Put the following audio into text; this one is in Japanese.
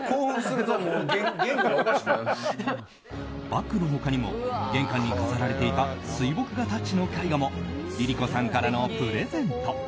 バッグの他にも玄関に飾られていた水墨画タッチの絵画もＬｉＬｉＣｏさんからのプレゼント。